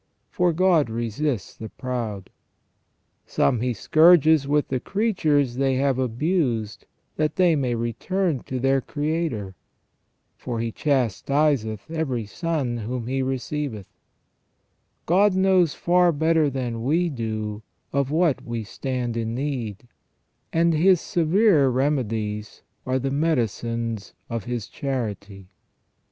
For, "God resists the proud ". Some He scourges with the creatures they have abused, that they may return to their Creator. For, " He ON PENAL EVIL OR PUNISHMENT. 237 chastiseth every son whom He receiveth ". God knows far better than we do of what we stand in need, and His severer remedies are the medicines of His charity.